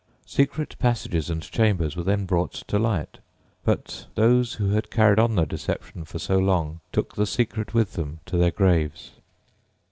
Secret passages and chambers were then brought to light; but those who had carried on the deception for so long took the secret with them to their graves.